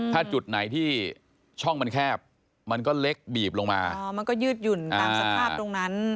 ถ้าจุดไหนที่ช่องมันแคบมันก็เล็กบีบลงมาอ๋อมันก็ยืดหยุ่นตามสภาพตรงนั้น